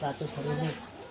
beri uang seratus ribu